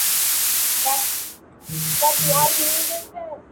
هغې ته غرونه واوري او فضا ټول د خپل غم برخه ښکاري-